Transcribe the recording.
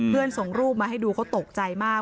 เพื่อนส่งรูปมาให้ดูเขาตกใจมาก